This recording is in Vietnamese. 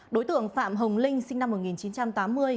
đối tượng phạm hồng linh sinh năm một nghìn chín trăm tám mươi